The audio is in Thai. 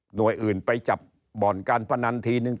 หน่วยอื่นไปจับบ่อนการพนันทีนึง